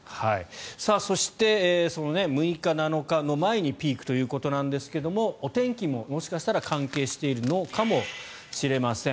そして６日、７日の前にピークということですがお天気も、もしかしたら関係しているかもしれません。